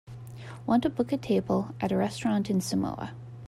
Want to book a table at a restaurant in Samoa